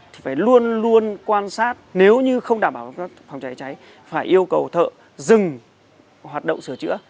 thì phải luôn luôn quan sát nếu như không đảm bảo công tác phòng cháy cháy phải yêu cầu thợ dừng hoạt động sửa chữa